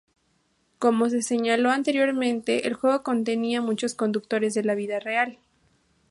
Como se señaló anteriormente, el juego contenía muchos conductores de la vida real.